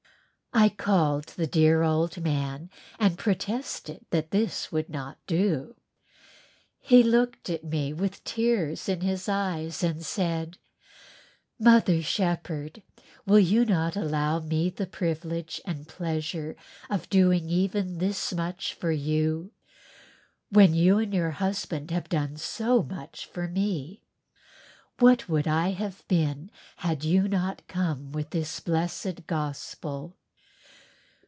I called the dear old man and protested that this would not do. He looked at me with tears in his eyes and said, "Mother, Shepherd, will you not allow me the privilege and pleasure of doing even this much for you, when you and your husband have done so much for me? What would I have been had you not come with this blessed Gospel?"